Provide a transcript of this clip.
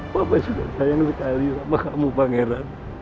bapak sudah sayang sekali sama kamu pangeran